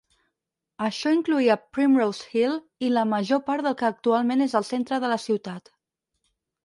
Això incloïa Primrose Hill i la major part del que actualment és el centre de la ciutat.